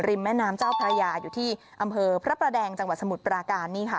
แม่น้ำเจ้าพระยาอยู่ที่อำเภอพระประแดงจังหวัดสมุทรปราการนี่ค่ะ